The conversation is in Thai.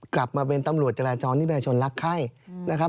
กลับมาเป็นตำรวจจราจรที่ประชาชนรักไข้นะครับ